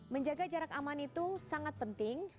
menjaga jarak aman itu sangat penting